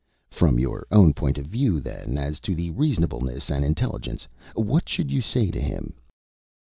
"From your own point of view, then, as to reasonableness and intelligence, what should you say to him?"